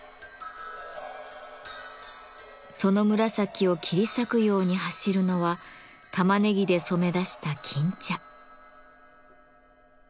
その紫を切り裂くように走るのはたまねぎで染め出した金茶。